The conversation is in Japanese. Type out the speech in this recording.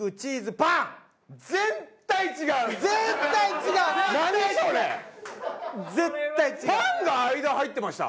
パンが間入ってました？